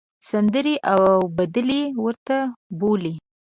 سندرې او بدلې ورته بولۍ.